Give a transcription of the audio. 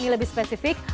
ini lebih spesifik